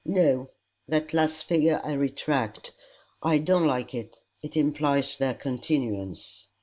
No, that last figure I retract. I don't like it. It implies their continuance."